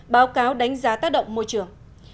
báo cáo đánh giá tác động môi trường